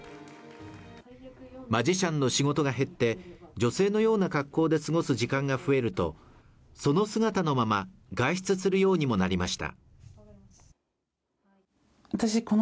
マジシャンの仕事が減って女性のような格好で過ごす時間が増えるとその姿のまま外出するようにもなりました